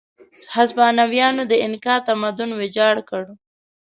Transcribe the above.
هسپانویانو د اینکا تمدن ویجاړ کړ.